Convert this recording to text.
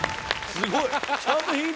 すごい！